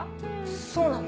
そうなの？